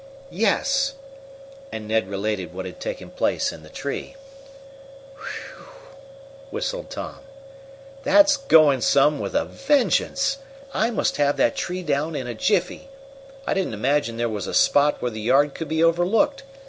"Yes," and Ned related what had taken place in the tree. "Whew!" whistled Tom. "That's going some with a vengeance! I must have that tree down in a jiffy. I didn't imagine there was a spot where the yard could be overlooked.